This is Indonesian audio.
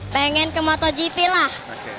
pengen ke motogp lah